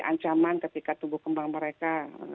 ancaman ketika tumbuh kembang mereka